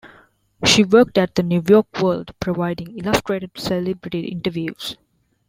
She worked at the "New York World", providing illustrated celebrity interviews.